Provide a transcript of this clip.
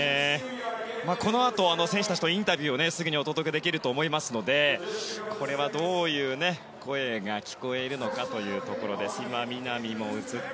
このあと選手たちのインタビューをすぐにお届けできるかと思うのでこれは、どういう声が聞こえるのかというところです。